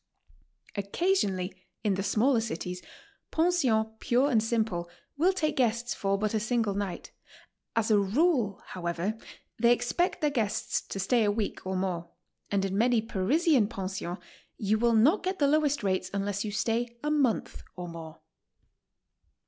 Occaslionally, in the smaller cities, pensions pure and simple will take guests for but a single night; as a rule, how ever, they expect their guests to stay a week or more, and in many Parisian pensions you will not get the lowest rates unless you stay a month or more.